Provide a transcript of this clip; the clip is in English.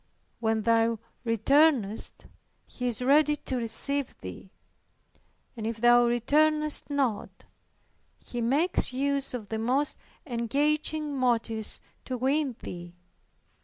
When thou returnest, He is ready to receive thee; and if thou returnest not, He makes use of the most engaging motives to win thee.